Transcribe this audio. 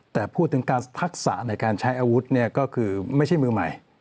แต่พูดถึงการทักษะในการใช้อาวุธเนี่ยก็คือไม่ใช่มือใหม่